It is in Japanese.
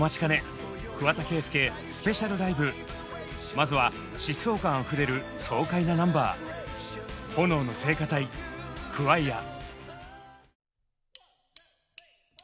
まずは疾走感あふれる爽快なナンバー「炎の聖歌隊［Ｃｈｏｉｒ］」。